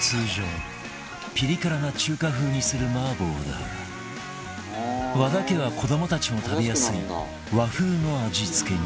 通常ピリ辛な中華風にする麻婆だが和田家は子どもたちも食べやすい和風の味付けに